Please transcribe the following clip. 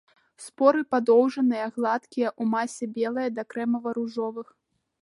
Споры падоўжаныя, гладкія, у масе белыя да крэмава-ружовых.